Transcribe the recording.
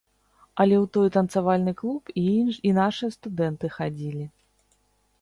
Але ў той танцавальны клуб і нашыя студэнты хадзілі.